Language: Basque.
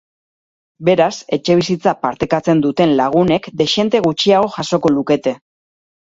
Beraz, etxebizitza partekatzen duten lagunek dexente gutxiago jasoko lukete.